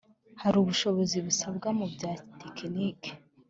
Hari ubushobozi busabwa mu bya tekiniki